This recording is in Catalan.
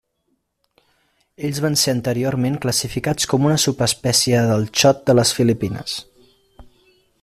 Ells van ser anteriorment classificats com una subespècie del xot de les Filipines.